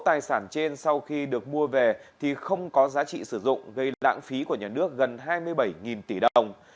tài sản trên sau khi được mua về thì không có giá trị sử dụng gây lãng phí của nhà nước gần hai mươi bảy tỷ đồng